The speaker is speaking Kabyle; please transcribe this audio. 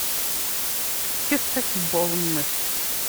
Tekkes akebbuḍ-nnes.